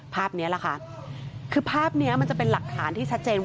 ภาพนี้หล่ะค่ะคือภาพนี้มันจะมีหลากฐานที่แล้ว